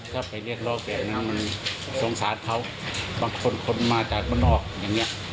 ถ้าไปเรียกรอบแบบนั้นมันสงสารเขาบางคนคนมาจากบนนอกอย่างเงี้ย